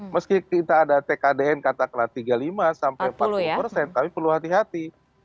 meski kita ada tkdn katakanlah tiga puluh lima sampai empat puluh persen tapi perlu hati hati